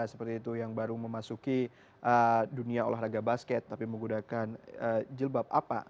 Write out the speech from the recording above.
seperti itu yang baru memasuki dunia olahraga basket tapi menggunakan jilbab apa